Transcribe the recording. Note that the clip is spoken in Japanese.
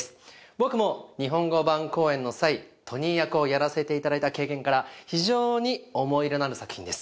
僕も日本語版公演の際トニー役をやらせていただいた経験から非常に思い入れのある作品です